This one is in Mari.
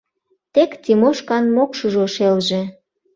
Тек Тимошкан мокшыжо шелже.